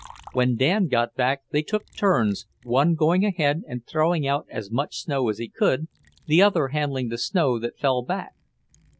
When Dan got back they took turns, one going ahead and throwing out as much snow as he could, the other handling the snow that fell back.